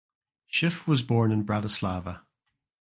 Schiff was born in Bratislava.